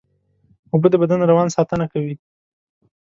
اوبه د بدن روان ساتنه کوي